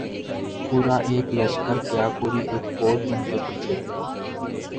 پورا ایک لشکر کیا‘ پوری ایک فوج ان کے پیچھے تھی۔